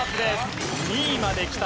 ２位まできた。